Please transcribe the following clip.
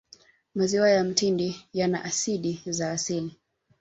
maziwa ya mtindi yana asidi za asili